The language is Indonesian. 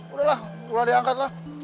udah lah udah diangkatlah